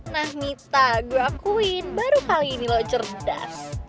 nah mita gue akuin baru kali ini lo cerdas